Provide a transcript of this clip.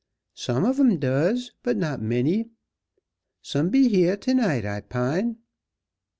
"Some ob 'em does, but not many. Some be heah to night, I 'pine."